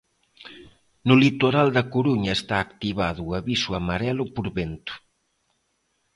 No litoral da Coruña está activado o aviso amarelo por vento.